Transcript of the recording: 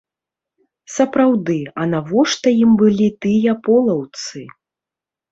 Сапраўды, а навошта ім былі тыя полаўцы?